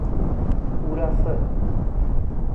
Wurasa.